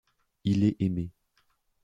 Il est aimé.